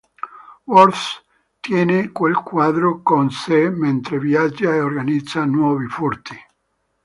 Worth tiene quel quadro con sé mentre viaggia e organizza nuovi furti.